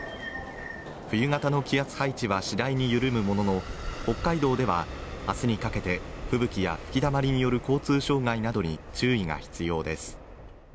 冬型の気圧配置は次第に緩むものの、北海道では明日にかけて吹雪や吹きだまりによる交通障害などに注意が必要です。